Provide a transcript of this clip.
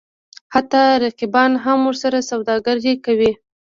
حتی رقیبان هم ورسره سوداګري کوي.